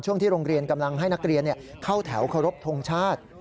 ที่โรงเรียนกำลังให้นักเรียนเข้าแถวเคารพทงชาติ